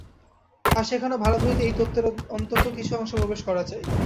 আর সেখানেও ভারত হইতে এই তত্ত্বের অন্তত কিছু অংশ প্রবেশ করা চাই।